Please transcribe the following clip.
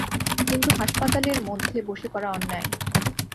কিন্তু হাসপাতালের মধ্যে বসে করা অন্যায়।